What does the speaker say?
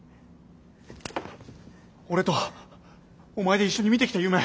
俺とお前で一緒にみてきた夢。